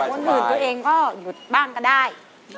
คนอื่นตัวเองก็หยุดบ้างก็ได้